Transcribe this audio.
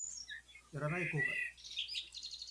やらない後悔